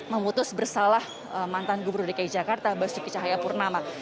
memutus bersalah mantan gubernur dki jakarta basuki cahayapurnama